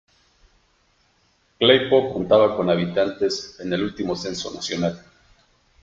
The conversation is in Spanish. Claypole contaba con habitantes en el último censo nacional.